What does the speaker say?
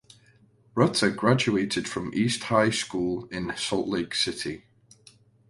Rutter graduated from East High School in Salt Lake City.